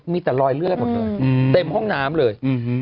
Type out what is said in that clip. มีแต่รอยเลือดหมดเลยเต็มห้องน้ำเลย